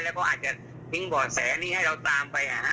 และเขาอาจจะปิ้งบ่อแสกนี่ให้เราติดตามไป